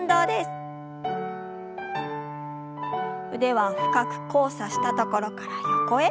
腕は深く交差したところから横へ。